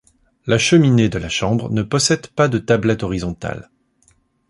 La cheminée de la chambre ne possède pas de tablette horizontale.